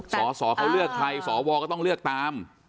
สสเขาเลือกใครสวก็ต้องเลือกตาม